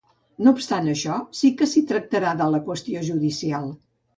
No obstant això, sí que s’hi tractarà de la qüestió judicial.